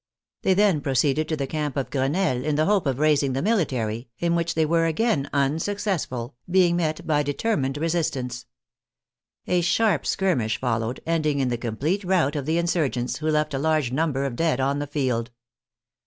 They then pro ceeded to the camp of Crenelle, in the hope of raising the military, in which they were again unsuccessful, being met by a determined resistance. A sharp skirmish fol lowed, ending in the complete rout of the insurgents, who left a large number of dead on the field.